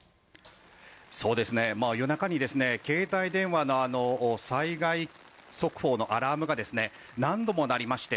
夜中に携帯電話の災害速報のアラームが何度も鳴りまして。